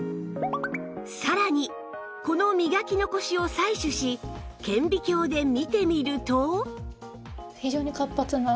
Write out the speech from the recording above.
さらにこの磨き残しを採取し顕微鏡で見てみると